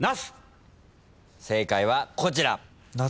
正解はこちら。